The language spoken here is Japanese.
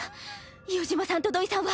伊予島さんと土居さんは？